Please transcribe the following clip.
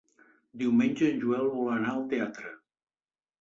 Diumenge en Joel vol anar al teatre.